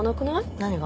何が？